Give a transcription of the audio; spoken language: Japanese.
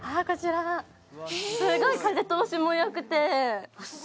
すごい風通しもよくて。